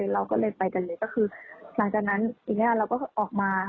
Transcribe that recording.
เราก็เลยไปกันเลยก็คือหลังจากนั้นทีนี้เราก็ออกมา